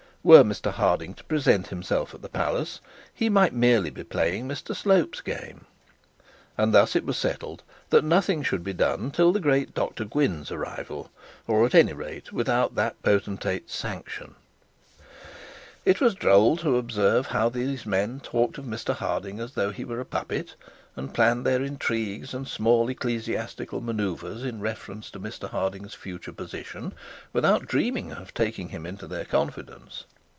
Were Mr Harding to present himself at the palace he might merely be playing Mr Slope's game;' and thus it was settled that nothing should be done till the great Dr Gwynne's arrival, or at any rate without that potentate's sanction. It was droll how these men talked of Mr Harding as though he were a puppet, and planned their intrigues and small ecclesiastical manouvres without dreaming of taking him into their confidence.